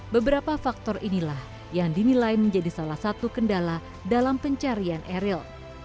beberapa faktor inilah yang dinilai menjadi salah satu kendala dalam pencarian eril